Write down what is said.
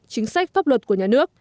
chính sách pháp luật của nhà nước